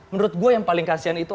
menurut gue yang paling kasihan itu